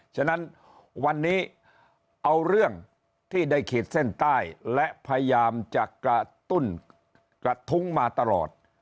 ฉะนั้นวันนี้เอาเรื่องที่ได้ขีดเส้นใต้และพยายามจะกระตุ้นกระทุ้งมาตลอด